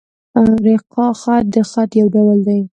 رِقاع خط؛ د خط یو ډول دﺉ.